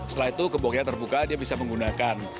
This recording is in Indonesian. setelah itu gemboknya terbuka dia bisa menggunakan